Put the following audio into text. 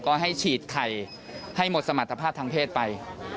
ก็ให้ฉีดไข่ให้หมดสมรรถภาพทางเพศไป